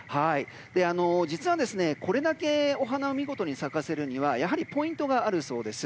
実は、これだけお花を見事に咲かせるにはやはりポイントがあるそうです。